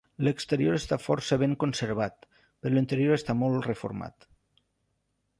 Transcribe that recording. L'exterior està força ben conservat, però l'interior està molt reformat.